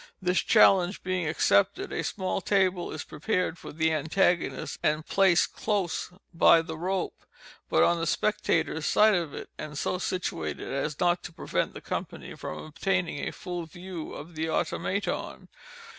This challenge being accepted, a small table is prepared for the antagonist, and placed close by the rope, but on the spectators' side of it, and so situated as not to prevent the company from obtaining a full view of the Automaton.